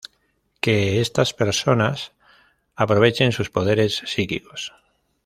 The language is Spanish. que estas personas aprovechen sus poderes psíquicos